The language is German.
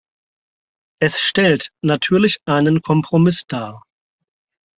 Es stellt natürlich einen Kompromiss dar.